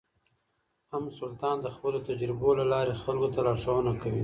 ام سلطان د خپلو تجربو له لارې خلکو ته لارښوونه کوي.